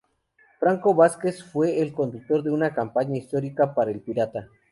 Franco Vázquez fue el conductor de una campaña histórica para el Pirata.